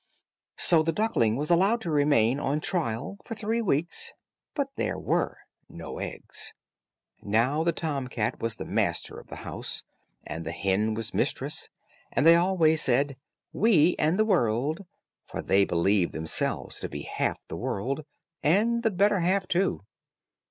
So the duckling was allowed to remain on trial for three weeks, but there were no eggs. Now the tom cat was the master of the house, and the hen was mistress, and they always said, "We and the world," for they believed themselves to be half the world, and the better half too.